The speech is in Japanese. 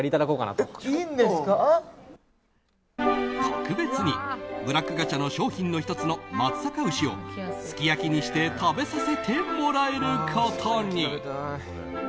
特別にブラックガチャの商品の１つの松阪牛をすき焼きにして食べさせてもらえることに。